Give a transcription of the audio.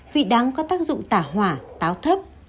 vị đắng có tác dụng tả hỏa táo thấp